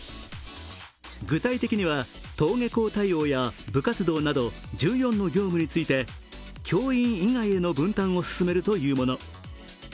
具体的には、登下校対応や部活動など１４の業務について教員以外への分担を進めるというもの。